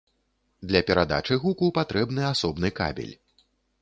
Для перадачы гуку патрэбны асобны кабель.